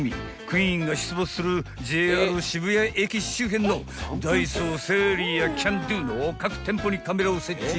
［クイーンが出没するＪＲ渋谷駅周辺のダイソーセリアキャンドゥの各店舗にカメラを設置］